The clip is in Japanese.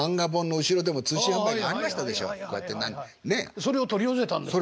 それを取り寄せたんですか？